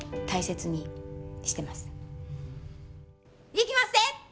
いきまっせ！